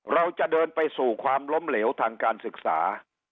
เราจะเดินไปสู่ความล้มเหลวทางการศึกษา